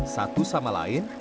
satu sama lain